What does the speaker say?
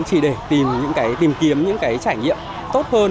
chỉ để tìm kiếm những cái trải nghiệm tốt hơn